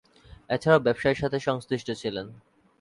এছাড়াও ব্যবসায়ের সাথে সংশ্লিষ্ট ছিলেন।